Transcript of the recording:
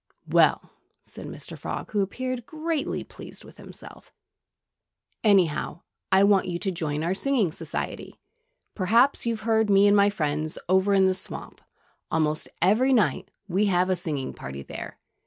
"Well," said Mr. Frog, who appeared greatly pleased with himself, "anyhow, I want you to join our singing society. Perhaps you've heard me and my friends over in the swamp. Almost every night we have a singing party there.